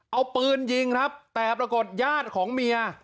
เอาปืนยิงครับแต่ปรากฏญาติของเมีย